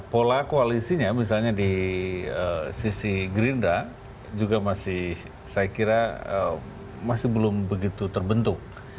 pola koalisinya misalnya di sisi gerindra juga masih saya kira masih belum begitu terbentuk